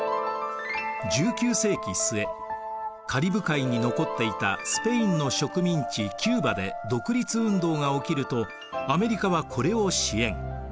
１９世紀末カリブ海に残っていたスペインの植民地キューバで独立運動が起きるとアメリカはこれを支援。